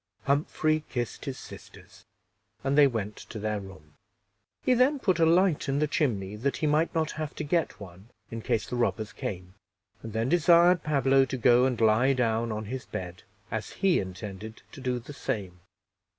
Humphrey kissed his sisters, and they went to their room. He then put a light in the chimney, that he might not have to get one in case the robbers came, and then desired Pablo to go and lie down on his bed, as he intended to do the same.